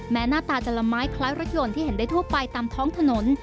หน้าตาจะละไม้คล้ายรถยนต์ที่เห็นได้ทั่วไปตามท้องถนน